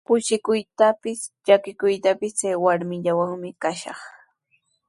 Kushikuytrawpis, llakikuytrawpis chay warmillawanmi kashaq.